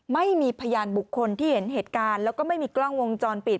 ไม่มีพยานบุคคลที่เห็นเหตุการณ์แล้วก็ไม่มีกล้องวงจรปิด